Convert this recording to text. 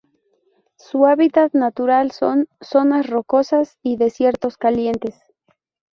Su hábitat natural son: zonas rocosas y desiertos calientes.